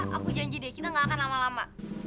aku janji deh kita gak akan lama lama